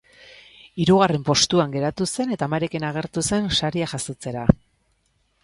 Hirugarren postuan geratu zen eta amarekin agertu zen saria jasotzera.